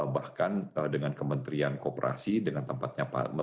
bahkan dengan kementerian kooperasi dengan tempat tempatnya